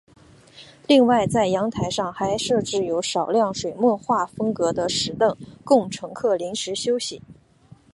另外在站台上还设置有少量水墨画风格的石凳供乘客临时休息。